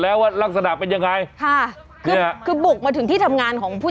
แล้วว่ารักษณะเป็นยังไงค่ะคือคือบุกมาถึงที่ทำงานของผู้